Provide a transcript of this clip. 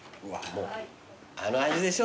あの味でしょ